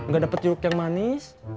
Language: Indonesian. gak dapat jeruk yang manis